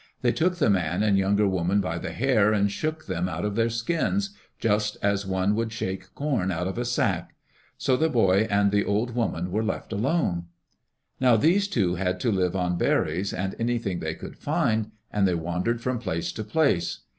They took the man and younger woman by the hair and shook them out of their skins, just as one would shake corn out of a sack. So the boy and the old woman were left alone. Now these two had to live on berries and anything they could find, and they wandered from place to place.